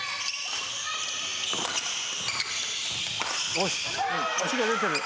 よし足が出てる。